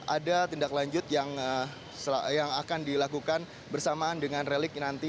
ada tindak lanjut yang akan dilakukan bersamaan dengan relik nanti